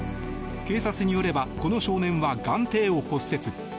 警察によればこの少年は眼底を骨折。